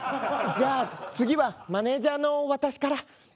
じゃあ次はマネージャーの私から。